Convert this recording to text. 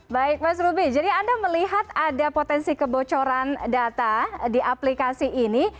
baik mas ruby jadi anda melihat ada potensi kebocoran data di aplikasi ini